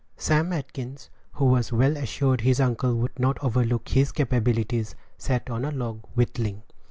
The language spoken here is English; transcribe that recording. Sam Atkins, who was well assured his uncle would not overlook his capabilities, sat on a log whittling.